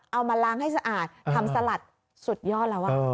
เอามาล้างให้สะอาดทำสลัดสุดยอดแล้ว